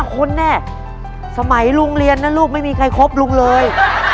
๕คนเนี่ยสมัยลุงเรียนนั่นรูปไม่มีใครคบลุงเลย